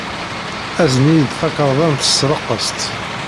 Azen-iyi-d takarḍa n tesreqqest.